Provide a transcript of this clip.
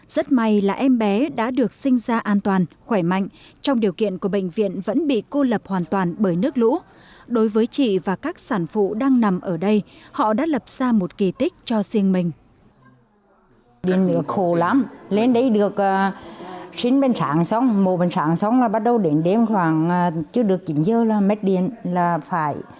rất may là em bé đã được sinh ra an toàn khỏe mạnh trong điều kiện của bệnh viện vẫn bị cô lập hoàn toàn bởi nước lũ đối với chị và các sản phụ đang nằm ở đây họ đã lập ra một kỳ tích cho riêng mình